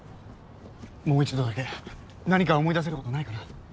もう一度だけ何か思い出せることないかな？